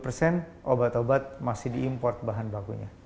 sembilan puluh persen obat obat masih diimpor bahan bakunya